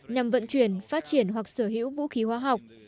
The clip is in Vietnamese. nhằm vận chuyển phát triển hoặc sở hữu vũ khí hóa học